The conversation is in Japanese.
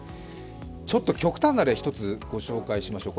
ちょっと極端な例を１つご紹介しましょう。